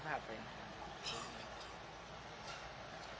สวัสดีครับ